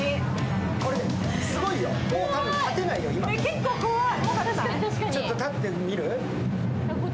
結構怖い。